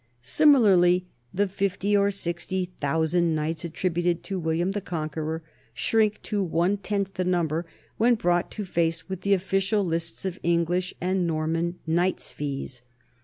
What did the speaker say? Similarly the fifty or sixty thousand knights attributed to William the Conqueror shrink to one tenth the num ber when brought to face with the official lists of Eng lish and Norman knights' fees.